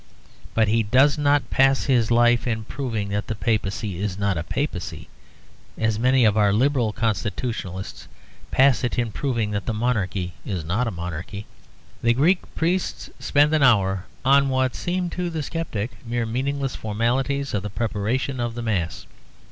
But he does not pass his life in proving that the Papacy is not a Papacy, as many of our liberal constitutionalists pass it in proving that the Monarchy is not a Monarchy. The Greek priests spend an hour on what seems to the sceptic mere meaningless formalities of the preparation of the Mass.